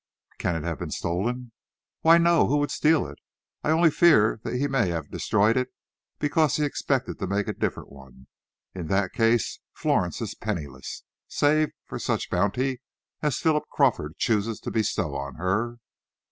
"Can it have been stolen?" "Why, no; who would steal it? I only fear he may have destroyed it because he expected to make a different one. In that case, Florence is penniless, save for such bounty as Philip Crawford chooses to bestow on her."